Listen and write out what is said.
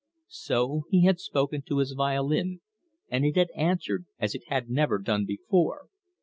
So he had spoken to his violin, and it had answered as it had never done before.